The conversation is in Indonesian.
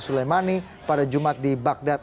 suleimani pada jumat di bagdad